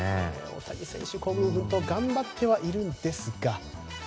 大谷選手、孤軍奮闘頑張ってはいるんですが。